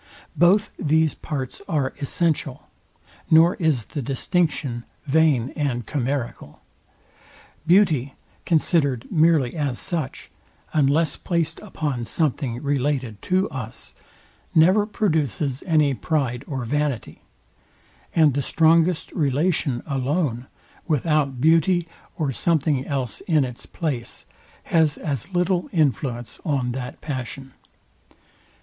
Both these parts are essential, nor is the distinction vain and chimerical. Beauty, considered merely as such, unless placed upon something related to us, never produces any pride or vanity; and the strongest relation alone, without beauty, or something else in its place, has as little influence on that passion.